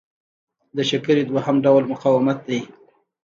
د شکرې دوهم ډول مقاومت دی.